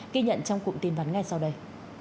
ghi nhận trong cụm tin vắn ngay sau đây